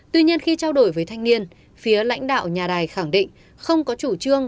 tuy nhiên khi trao đổi với thanh niên phía lãnh đạo nhà đài khẳng định không có chủ trương